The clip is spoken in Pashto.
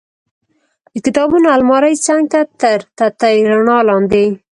د کتابونو المارۍ څنګ ته تر تتې رڼا لاندې.